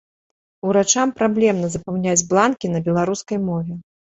Урачам праблемна запаўняць бланкі на беларускай мове.